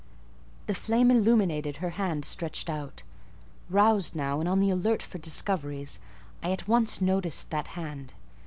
The flame illuminated her hand stretched out: roused now, and on the alert for discoveries, I at once noticed that hand.